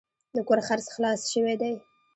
د کور خرڅ خلاص شوی دی.